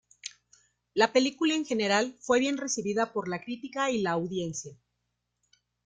La película en general fue bien recibida por la crítica y la audiencia.